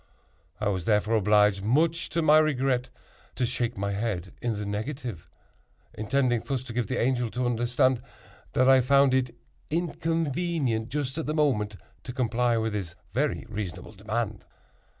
I was therefore obliged, much to my regret, to shake my head in the negative—intending thus to give the Angel to understand that I found it inconvenient, just at that moment, to comply with his very reasonable demand!